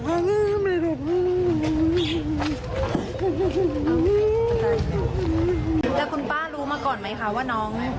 แล้วคุณป้ารู้มาก่อนไหมคะว่าน้อง